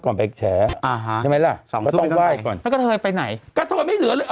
นอกจากนั้นก็ไปหมดก็เธอไม่เหลือเลย